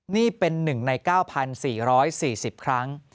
นี่เป็น๑ใน๙๔๔๐ครั้ง